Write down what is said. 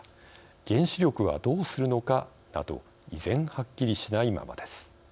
原子力はどうするのか、など依然はっきりしないままです。